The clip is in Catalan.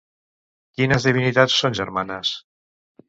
Quines divinitats són germanes?